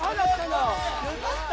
よかった！